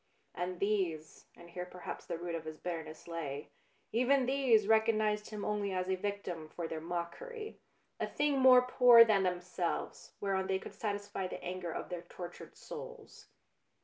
And these, and here perhaps the root of his bitterness lay, even these recognised him only as a victim for their mockery, a thing more poor than themselves, whereon they could satisfy the anger of their tortured souls.